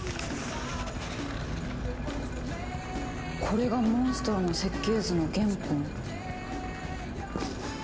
これがモンストロの設計図の原本？